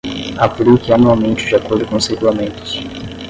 Aplique anualmente de acordo com os regulamentos